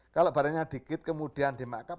kalau barangnya dikit kemudian di mark up